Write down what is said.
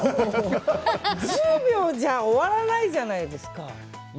１０秒じゃ終わらないじゃないですか。